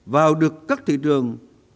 vào được các thị trường